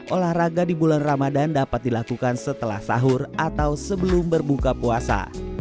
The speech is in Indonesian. olahraga di bulan ramadan dapat dilakukan setelah sahur atau sebelum berbuka puasa